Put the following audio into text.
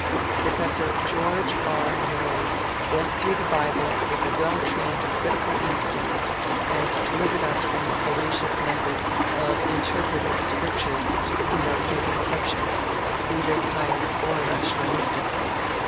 Professor George R. Noyes went through the Bible with a well trained critical instinct, and delivered us from the fallacious method of interpreting scrip tures to suit our preconceptions, either pious or rationalistic.